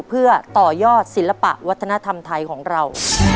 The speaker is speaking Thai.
เพื่อต่อยอดศิลปะวัฒนธรรมไทยของเรา